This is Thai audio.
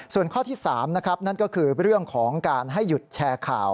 ส่วนข้อที่๓นะครับนั่นก็คือเรื่องของการให้หยุดแชร์ข่าว